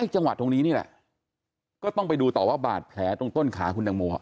จังหวัดตรงนี้นี่แหละก็ต้องไปดูต่อว่าบาดแผลตรงต้นขาคุณตังโม